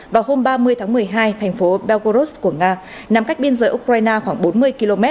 vào hôm ba mươi tháng một mươi hai thành phố belgoros của nga nằm cách biên giới ukraine khoảng bốn mươi km